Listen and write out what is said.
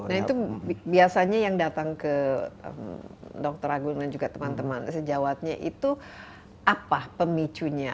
nah itu biasanya yang datang ke dokter agung dan juga teman teman sejawatnya itu apa pemicunya